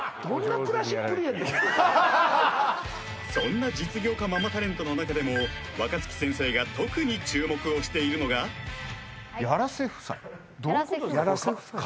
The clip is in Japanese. そんな実業家ママタレントの中でも若槻先生が特に注目をしているのがやらせ夫妻どういうことですか